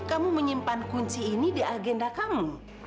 atau kamu menyimpan kuncinya di agenda kamu